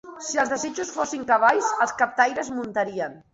Si els desitjos fossin cavalls, els captaires muntarien.